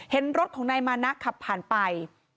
เห็นรถของนายมานะขับผ่านไป